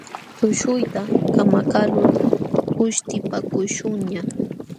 Tushuyta kamakaqlul uśhtipakuśhunñaq.